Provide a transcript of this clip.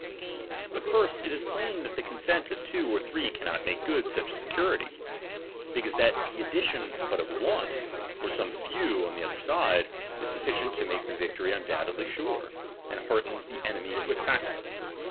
But first, it is plain that the consent of two or three cannot make good such a security ; because that the addition but of one, or some few on the other side, is suflBcient to make the victory undoubtedly sure, and heartens the enemy to attack us.